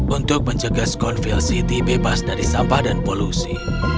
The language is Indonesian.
untuk menjaga skonville city bebas dari sampah dan polusi